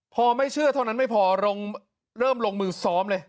พอไม่เชื่อเท่านั้นไม่พอลงเริ่มลงมือซ้อมเลย